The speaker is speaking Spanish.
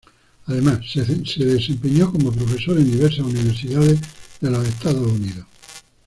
Además, se desempeñó como profesor en diversas universidades de los Estados Unidos.